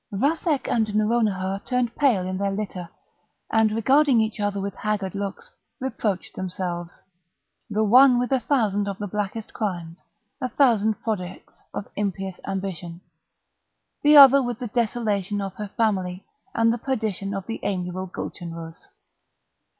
Vathek and Nouronihar turned pale in their litter, and, regarding each other with haggard looks, reproached themselves—the one with a thousand of the blackest crimes, a thousand projects of impious ambition—the other with the desolation of her family, and the perdition of the amiable Gulchenrouz.